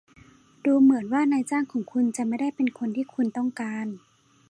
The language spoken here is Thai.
ดูเหมือนว่านายจ้างของคุณจะไม่ได้เป็นคนที่คุณต้องการ